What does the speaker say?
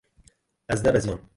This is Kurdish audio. Ez nebeziyam.